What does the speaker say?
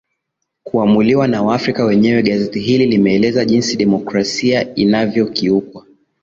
kuamuliwa na waafrika wenyewe gazeti hili limeeleza jinsi demokrasia inavyokiukwa